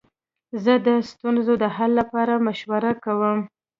زه د ستونزو د حل لپاره مشوره کوم.